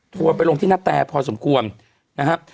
ทัวร์ไปลงที่นาแตพอสมควรนะครับ